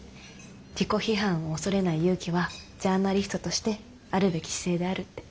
「自己批判を恐れない勇気はジャーナリストとしてあるべき姿勢である」って。